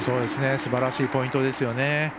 すばらしいポイントですよね。